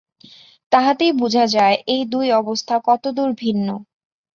তাহাতেই বুঝা যায়, এই দুই অবস্থা কতদূর ভিন্ন।